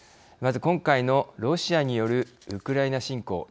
まず、今回のロシアによるウクライナ侵攻